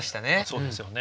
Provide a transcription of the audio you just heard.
そうですよね。